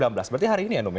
berarti hari ini ya nomi